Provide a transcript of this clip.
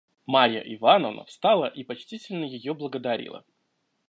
Марья Ивановна встала и почтительно ее благодарила.